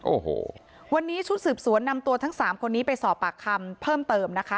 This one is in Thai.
โอ้โหวันนี้ชุดสืบสวนนำตัวทั้งสามคนนี้ไปสอบปากคำเพิ่มเติมนะคะ